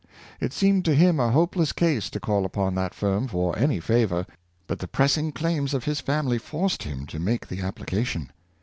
It seemed to him a hope less case to call upon that firm for any favor, but the pressing claims of his family forced him to make the application.